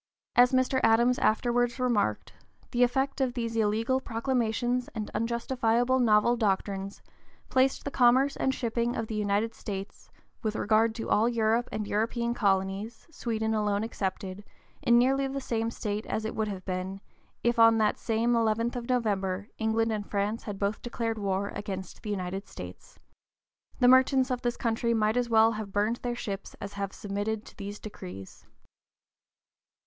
As Mr. Adams afterwards remarked, the effect of these illegal proclamations and unjustifiable novel doctrines "placed the commerce and shipping of the United States, with regard to all Europe and European colonies (Sweden alone excepted), in nearly the same state as it would have been, if, on that same 11th of November, England and France had both declared war against the United States." The merchants of this country might as well have burned their ships as have submitted to these decrees.